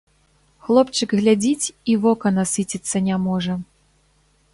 Хлопчык глядзіць, і вока насыціцца не можа.